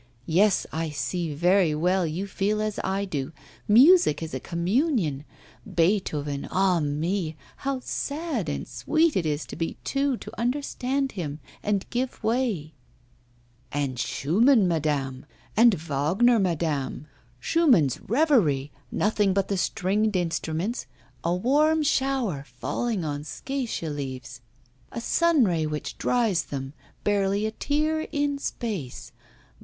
Yes, I see very well, you feel as I do, music is a communion Beethoven, ah, me! how sad and sweet it is to be two to understand him and give way ' 'And Schumann, madame, and Wagner, madame Schumann's "Reverie," nothing but the stringed instruments, a warm shower falling on acacia leaves, a sunray which dries them, barely a tear in space.